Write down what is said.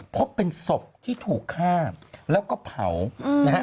พบเป็นศพที่ถูกฆ่าแล้วก็เผานะฮะ